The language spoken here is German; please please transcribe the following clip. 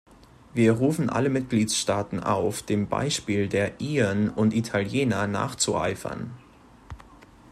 Wir rufen alle Mitgliedstaaten auf, dem Beispiel der Iren und Italiener nachzueifern.